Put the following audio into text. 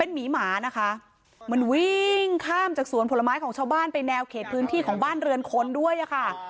หมีหมานะคะมันวิ่งข้ามจากสวนผลไม้ของชาวบ้านไปแนวเขตพื้นที่ของบ้านเรือนคนด้วยค่ะ